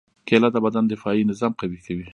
کېله د بدن دفاعي نظام قوي کوي.